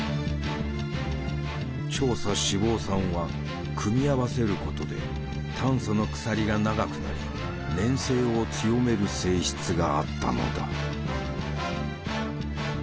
長鎖脂肪酸は組み合わせることで炭素の鎖が長くなり粘性を強める性質があったのだ。